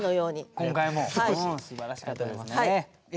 今回もすばらしかったです。